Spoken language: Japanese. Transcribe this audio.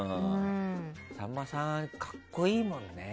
さんまさん、格好いいもんね。